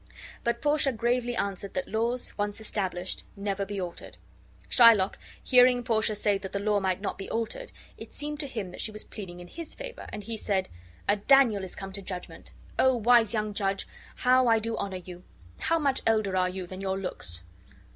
But Portia gravely answered that laws once established never be altered. Shylock, hearing Portia say that the law might not be altered, it seemed to him that she was pleading in his favor, and he said: "A Daniel is come to judgment! O wise young judge, how I do honor you! How much elder are you than your looks!"